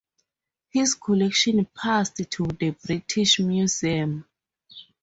His collection passed to the British Museum.